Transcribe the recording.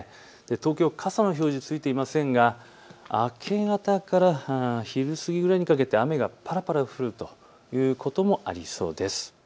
東京、傘の表示はついていませんが明け方から昼過ぎくらいにかけて雨がぱらぱら降るということもありそうです。